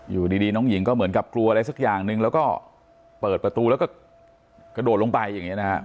อยู่ดีน้องหญิงก็เหมือนกับกลัวอะไรสักอย่างหนึ่งแล้วก็เปิดประตูแล้วก็กระโดดลงไปอย่างนี้นะฮะ